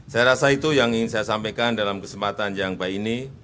saya rasa itu yang ingin saya sampaikan dalam kesempatan yang baik ini